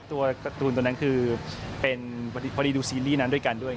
ตัวการ์ตูนตัวนั้นคือเป็นพอดีดูซีรีส์นั้นด้วยกันด้วย